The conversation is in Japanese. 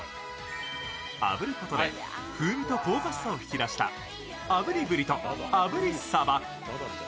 あぶることで風味と香ばしさを引き出した炙り鰤と炙り鯖。